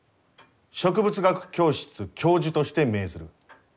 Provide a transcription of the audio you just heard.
植物学教室教授として命ずる。